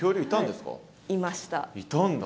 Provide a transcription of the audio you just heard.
いたんだ。